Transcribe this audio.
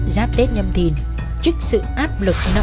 giáp tết nhâm thìn trức sự áp lực nọ nần và người em bên vợ nhiều lần đòi xe